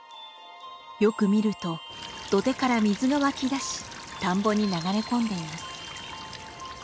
よく見ると土手から水が湧き出し田んぼに流れ込んでいます。